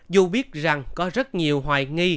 dù biết rằng có rất nhiều hoài nghi